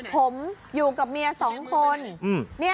ผมอยู่กับเมีย๒คน